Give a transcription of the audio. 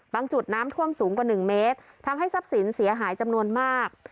จุดน้ำท่วมสูงกว่า๑เมตรทำให้ทรัพย์สินเสียหายจำนวนมาก